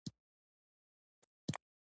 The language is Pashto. د شونډو د سره کیدو لپاره باید څه شی وکاروم؟